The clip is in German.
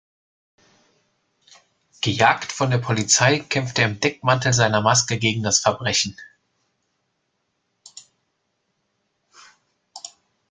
Gejagt von der Polizei, kämpft er im Deckmantel seiner Maske gegen das Verbrechen.